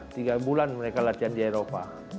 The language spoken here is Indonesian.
tiga bulan mereka latihan di eropa